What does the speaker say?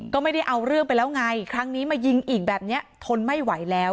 ก็ไม่ได้เอาเรื่องไปแล้วไงครั้งนี้มายิงอีกแบบเนี้ยทนไม่ไหวแล้ว